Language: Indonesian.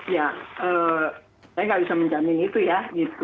ya saya nggak bisa menjamin itu ya